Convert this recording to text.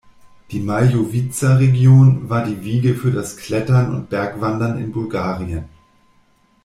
Die Maljowiza-Region war die Wiege für das Klettern und Bergwandern in Bulgarien.